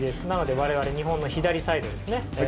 なので我々、日本の左サイドですね。